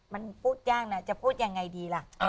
มันพูดยากนะจะพูดยังไงดีล่ะ